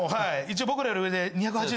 一応僕らより上で。